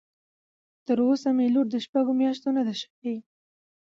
تر اوسه مې لور د شپږ مياشتو نه ده شوى.